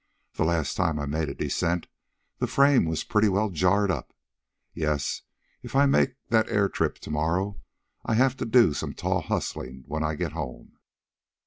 The last time I made a descent the frame was pretty well jarred up. Yes, if I make that air trip to morrow I'll have to do some tall hustling when I get home."